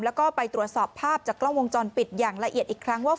แล้วก็ไปตรวจสอบภาพจากกล้องวงจรปิดอย่างละเอียดอีกครั้งว่า